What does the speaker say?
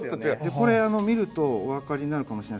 これ見るとおわかりになるかもしれない。